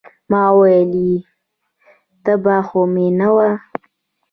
ما وويل يه تبه خو مې نه وه.